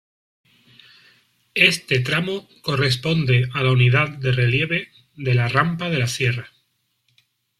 Este tramo corresponde a la unidad de relieve de la Rampa de la Sierra.